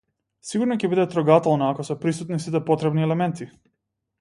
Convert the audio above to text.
Сигурно ќе биде трогателна ако се присутни сите потребни елементи.